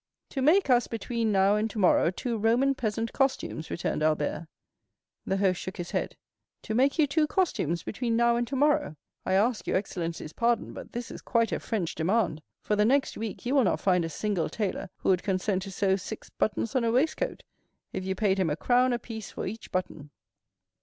"To make us between now and tomorrow two Roman peasant costumes," returned Albert. The host shook his head. "To make you two costumes between now and tomorrow? I ask your excellencies' pardon, but this is quite a French demand; for the next week you will not find a single tailor who would consent to sew six buttons on a waistcoat if you paid him a crown a piece for each button."